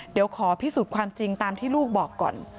เดี๋ยวขอพิสูจน์ความจริงตามที่ลูกบอกก่อน